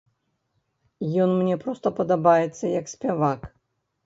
Ён мне проста падабаецца як спявак.